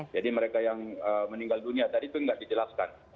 mereka yang meninggal dunia tadi itu nggak dijelaskan